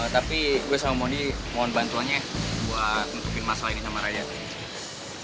tapi gue sama moni mohon bantunya buat nutupin masalah ini sama rayang